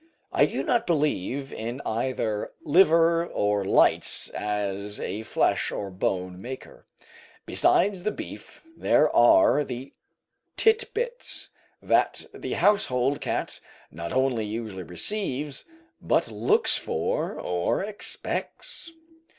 I do not believe in either liver or lights as a flesh or bone maker. Besides the beef, there are the "tit bits" that the household cat not only usually receives, but looks for or expects.